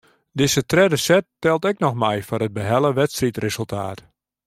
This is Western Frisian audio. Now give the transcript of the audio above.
Dizze tredde set teld ek noch mei foar it behelle wedstriidresultaat.